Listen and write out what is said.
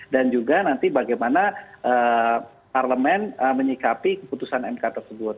juga nanti bagaimana parlemen menyikapi keputusan mk tersebut